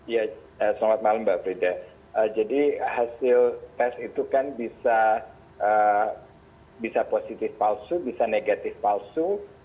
ya selamat malam mbak frida jadi hasil tes itu kan bisa positif palsu bisa negatif palsu